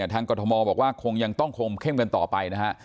ทางกรมศาลมอล์บอกว่าคงยังต้องคงเข้มกันต่อไปนะฮะ